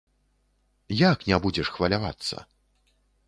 Як не будзеш хвалявацца?